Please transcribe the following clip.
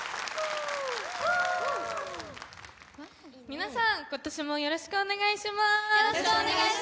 皆さん、今年もよろしくお願いします！